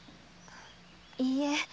いいえ